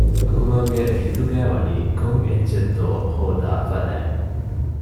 އަކުމަލްގެ ހިތުގައިވަނީ ކޮންއެއްޗެއްތޯ ހޯދާ ފަދައިން